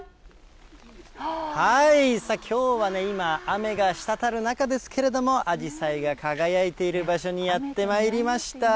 はい、さあ、きょうはね、今、雨が滴る中ですけれども、あじさいが輝いている場所にやってまいりました。